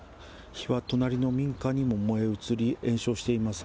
火は隣の民家にも燃え移り、延焼しています。